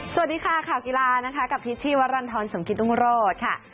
สวัสดีค่ะข่าวกีฬากับทิชชีวัตรรันทรสมกิตุงโรศ์